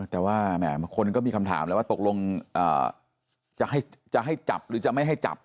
แต่ว่าคนก็มีคำถามแล้วว่าตกลงจะให้จับหรือจะไม่ให้จับ